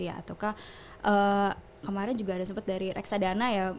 atau kemarin juga ada sempat dari reksadana